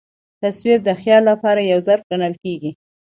تصویر د خیال له پاره یو ظرف ګڼل کېږي.